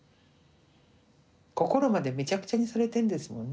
心までめちゃくちゃにされてんですもんね